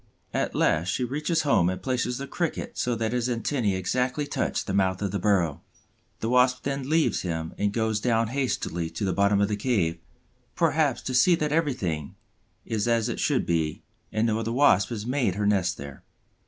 At last she reaches home and places the Cricket so that his antennæ exactly touch the mouth of the burrow. The Wasp then leaves him and goes down hastily to the bottom of the cave, perhaps to see that everything is as it should be and no other Wasp has made her nest there.